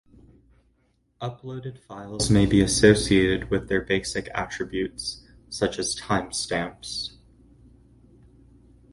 Uploaded files may be associated with their basic attributes, such as time stamps.